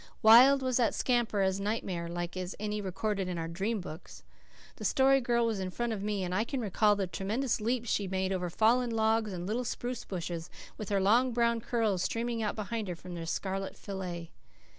Wild was that scamper, as nightmare like as any recorded in our dream books. The Story Girl was in front of me, and I can recall the tremendous leaps she made over fallen logs and little spruce bushes, with her long brown curls streaming out behind her from their scarlet fillet.